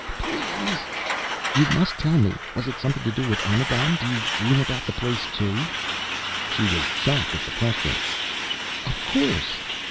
"Please ..." "You must tell me! Was it something to do with Armagon? Do you dream about the place, too?" She was shocked at the question. "Of course!"